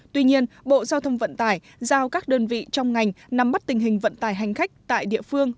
tuy nhiên bộ giao thông vận tải giao các đơn vị trong ngành nắm bắt tình hình vận tải hành khách tại địa phương